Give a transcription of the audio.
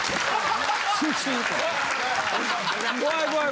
怖い怖い。